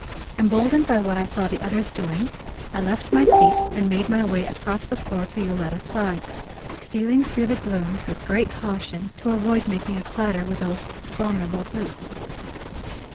Emboldened by what I saw the others doing, I left my seat and made my way across the floor to Yoletta's side, stealing through the gloom with great caution to avoid making a clatter with those abominable boots.